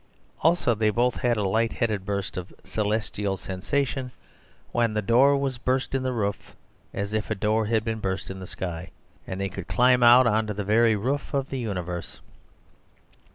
Also they both had a light headed burst of celestial sensation when the door was burst in the roof, as if a door had been burst in the sky, and they could climb out on to the very roof of the universe.